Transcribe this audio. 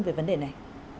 về vấn đề này